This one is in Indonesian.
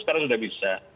sekarang sudah bisa